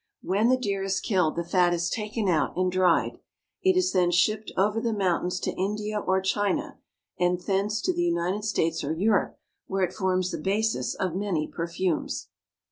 When the deer is killed, the fat is taken out and dried. It is then shipped over the mountains to India or Ghina, and thence to the United States or Europe, where it forms the basis of many perfumes.